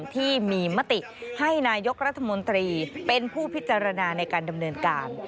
ที่มีมติให้นายกรัฐมนตรีเป็นผู้พิจารณาในการดำเนินการ